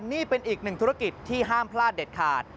นี่เป็นอีกหนึ่งธุรกิจที่ห้ามพลาดเด็ดขาด